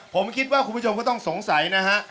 ผมคิดว่าคุณผู้ชมก็ต้องสงสัยนะฮะ